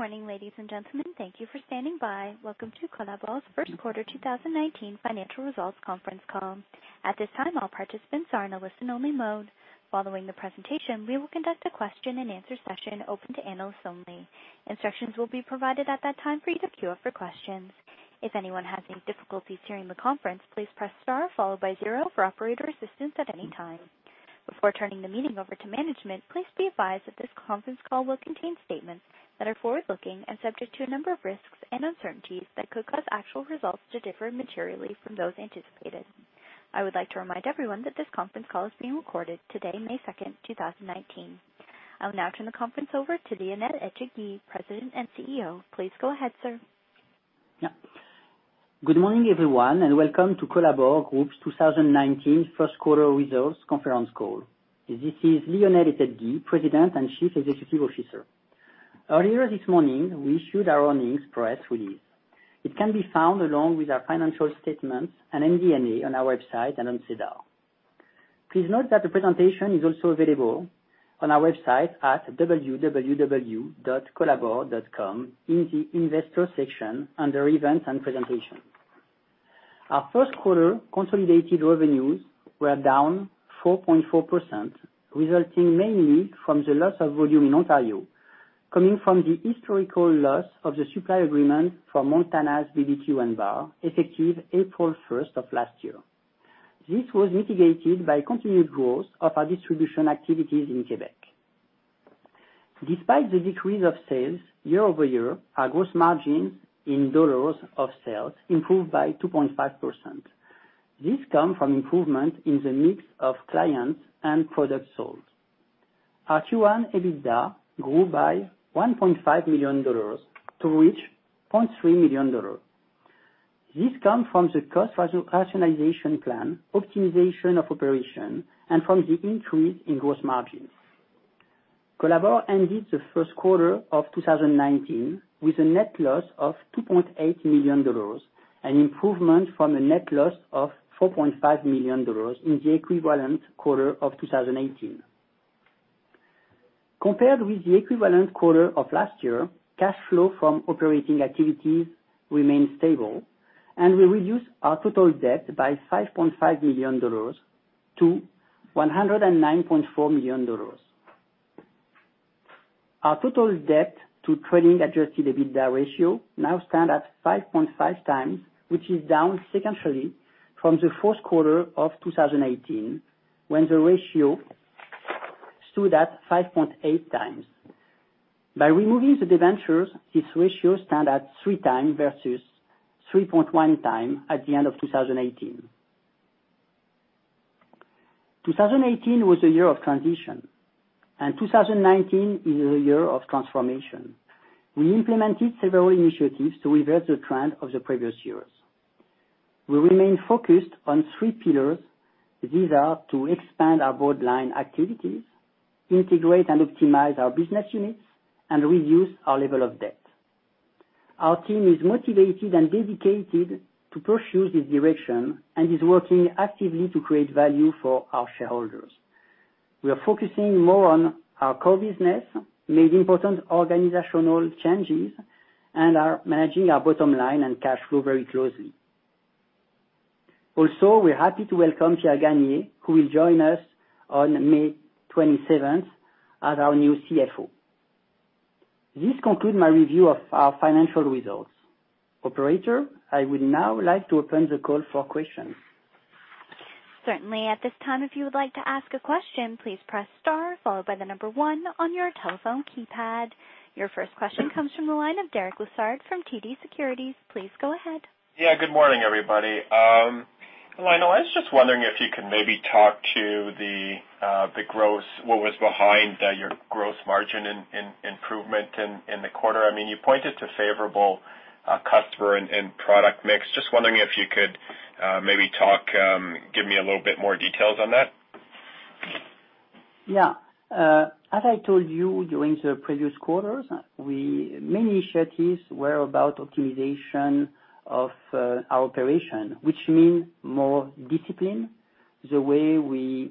Good morning, ladies and gentlemen. Thank you for standing by. Welcome to Colabor's first quarter 2019 financial results conference call. At this time, all participants are in a listen only mode. Following the presentation, we will conduct a question and answer session open to analysts only. Instructions will be provided at that time for you to queue up for questions. If anyone has any difficulties hearing the conference, please press star followed by zero for operator assistance at any time. Before turning the meeting over to management, please be advised that this conference call will contain statements that are forward-looking and subject to a number of risks and uncertainties that could cause actual results to differ materially from those anticipated. I would like to remind everyone that this conference call is being recorded today, May 2nd, 2019. I will now turn the conference over to Louis Frenette, President and CEO. Please go ahead, sir. Good morning, everyone, and welcome to Colabor Group's 2019 first quarter results conference call. This is Louis Frenette, President and Chief Executive Officer. Earlier this morning, we issued our earnings press release. It can be found along with our financial statements and MD&A on our website and on SEDAR. Please note that the presentation is also available on our website at www.colabor.com in the Investor section under Events and Presentation. Our first quarter consolidated revenues were down 4.4%, resulting mainly from the loss of volume in Ontario, coming from the historical loss of the supply agreement for Montana's BBQ & Bar, effective April 1st of last year. This was mitigated by continued growth of our distribution activities in Quebec. Despite the decrease of sales year-over-year, our gross margin in dollars of sales improved by 2.5%. This come from improvement in the mix of clients and products sold. Our Q1 EBITDA grew by 1.5 million dollars to reach 0.3 million dollars. This come from the cost rationalization plan, optimization of operation, and from the increase in gross margins. Colabor ended the first quarter of 2019 with a net loss of 2.8 million dollars, an improvement from a net loss of 4.5 million dollars in the equivalent quarter of 2018. Compared with the equivalent quarter of last year, cash flow from operating activities remained stable, and we reduced our total debt by 5.5 million dollars to 109.4 million dollars. Our total debt to trailing adjusted EBITDA ratio now stand at 5.5 times, which is down sequentially from the fourth quarter of 2018, when the ratio stood at 5.8 times. By removing the debentures, this ratio stand at 3 time versus 3.1 time at the end of 2018. 2018 was a year of transition. 2019 is a year of transformation. We implemented several initiatives to reverse the trend of the previous years. We remain focused on three pillars. These are to expand our broadline activities, integrate and optimize our business units, and reduce our level of debt. Our team is motivated and dedicated to pursue this direction and is working actively to create value for our shareholders. We are focusing more on our core business, made important organizational changes, and are managing our bottom line and cash flow very closely. Also, we're happy to welcome Pierre Gagné, who will join us on May 27th as our new CFO. This conclude my review of our financial results. Operator, I would now like to open the call for questions. Certainly. At this time, if you would like to ask a question, please press star followed by the number 1 on your telephone keypad. Your first question comes from the line of Derek Lessard from TD Securities. Please go ahead. Yeah. Good morning, everybody. Louis, I was just wondering if you could maybe talk to what was behind your gross margin improvement in the quarter. You pointed to favorable customer and product mix. Just wondering if you could maybe give me a little bit more details on that. Yeah. As I told you during the previous quarters, many initiatives were about optimization of our operation, which mean more discipline the way we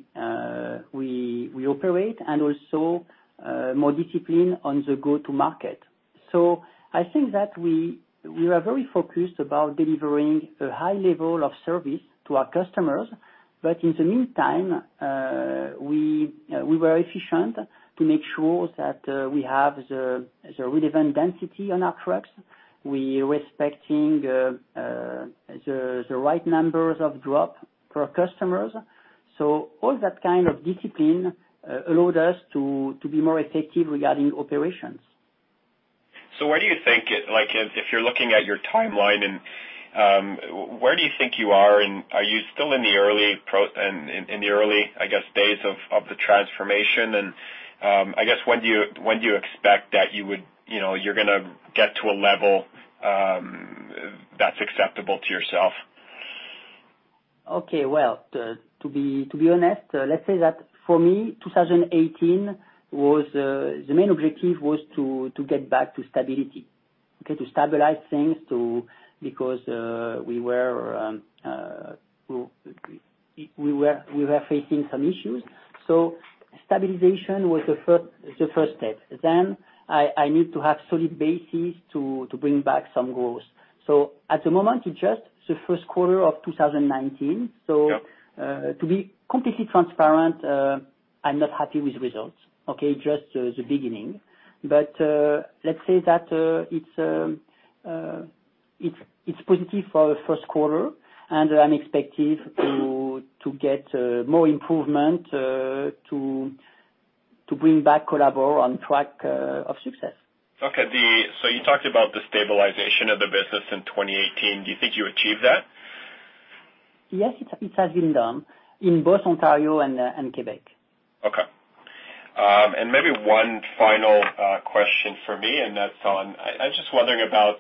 operate and also more discipline on the go-to-market. I think that we are very focused about delivering a high level of service to our customers. In the meantime, we were efficient to make sure that we have the relevant density on our trucks. We are respecting the right numbers of drop for our customers. All that kind of discipline allowed us to be more effective regarding operations. Where do you think, if you're looking at your timeline and where do you think you are? Are you still in the early, I guess, days of the transformation? I guess, when do you expect that you're going to get to a level that's acceptable to yourself? Okay. Well, to be honest, let's say that for me, 2018, the main objective was to get back to stability. Okay, to stabilize things because we were facing some issues. Stabilization was the first step. I need to have solid bases to bring back some growth. At the moment, it's just the first quarter of 2019. Yep. To be completely transparent, I'm not happy with results. Okay. Just the beginning. Let's say that it's positive for the first quarter, and I'm expecting to get more improvement to bring back Colabor on track of success. Okay. You talked about the stabilization of the business in 2018. Do you think you achieved that? Yes, it has been done in both Ontario and Quebec. Okay. Maybe one final question from me. I'm just wondering about,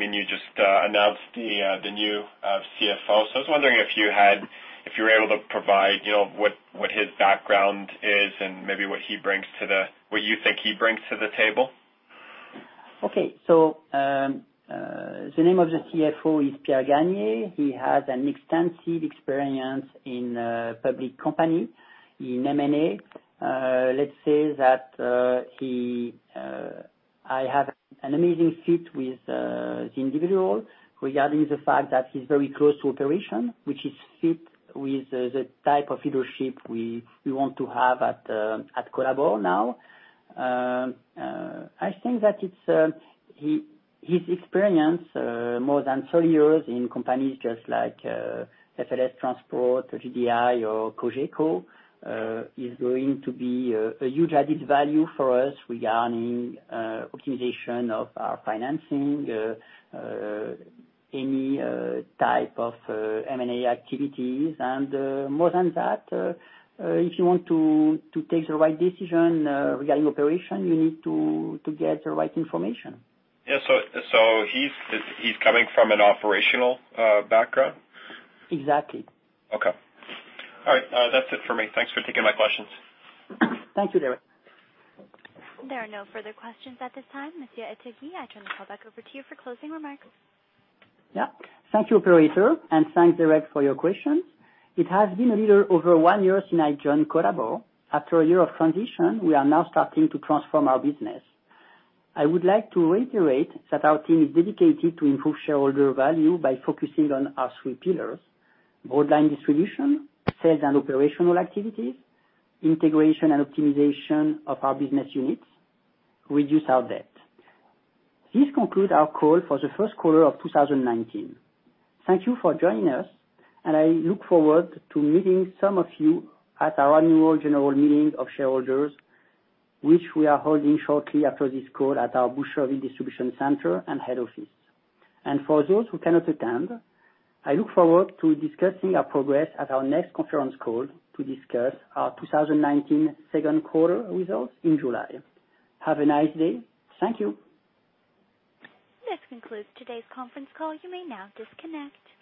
you just announced the new CFO. I was wondering if you were able to provide what his background is and maybe what you think he brings to the table? Okay. The name of the CFO is Pierre Gagné. He has an extensive experience in public company, in M&A. Let's say that I have an amazing fit with the individual regarding the fact that he's very close to operation, which is fit with the type of leadership we want to have at Colabor now. I think that his experience, more than 30 years in companies just like FLS Transport or GDI or Cogeco, is going to be a huge added value for us regarding optimization of our financing, any type of M&A activities. More than that, if you want to take the right decision regarding operation, you need to get the right information. Yeah. He's coming from an operational background? Exactly. Okay. All right. That's it for me. Thanks for taking my questions. Thank you, Derek. There are no further questions at this time. Louis Frenette, I turn the call back over to you for closing remarks. Yeah. Thank you, operator. Thanks, Derek, for your questions. It has been a little over one year since I joined Colabor. After a year of transition, we are now starting to transform our business. I would like to reiterate that our team is dedicated to improve shareholder value by focusing on our three pillars, broadline distribution, sales and operational activities, integration and optimization of our business units, reduce our debt. This concludes our call for the first quarter of 2019. Thank you for joining us, and I look forward to meeting some of you at our annual general meeting of shareholders, which we are holding shortly after this call at our Boucherville Distribution Center and head office. For those who cannot attend, I look forward to discussing our progress at our next conference call to discuss our 2019 second quarter results in July. Have a nice day. Thank you. This concludes today's conference call. You may now disconnect.